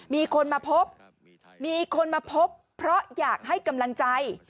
มีคนมาพบเพราะอยากให้กำลังใจ